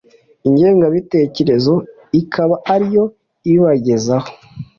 ingengabitekerezo ikaba ariyo ibibagezaho.